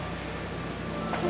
aku mau ke rumah